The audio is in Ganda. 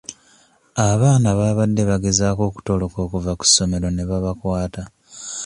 Abaana baabadde bagezaako okutoloka okuva ku ssomero ne babakwata.